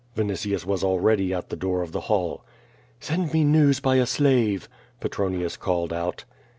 Vinitius was already at the door of the hall. "Send me news by a slave," Petronius called out.